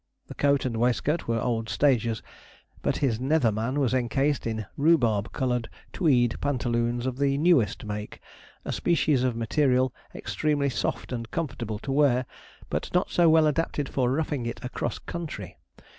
The coat and waistcoat were old stagers, but his nether man was encased in rhubarb coloured tweed pantaloons of the newest make a species of material extremely soft and comfortable to wear, but not so well adapted for roughing it across country.